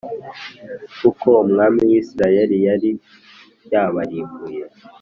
kuko umwami w i Siriya yari yabarimbuye